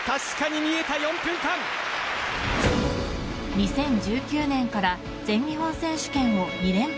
２０１９年から全日本選手権を２連覇。